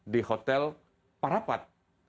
di hotel parapat